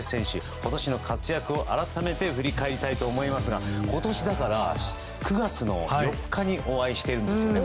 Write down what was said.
今年の活躍を改めて振り返りたいと思いますが今年９月４日にお会いしているんですよね。